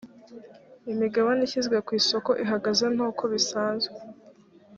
imigabane ishyizwe ku isoko ihagaze n uko bisanzwe